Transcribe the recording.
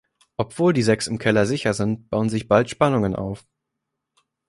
Obwohl die sechs im Keller sicher sind, bauen sich bald Spannungen auf.